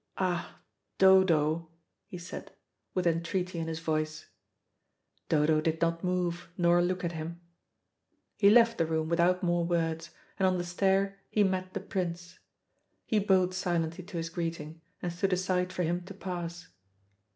"Ah, Dodo," he said, with entreaty in his voice. Dodo did not move nor look at him. He left the room without more words, and on the stair he met the Prince. He bowed silently to his greeting, and stood aside for him to pass.